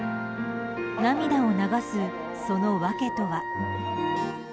涙を流す、その訳とは。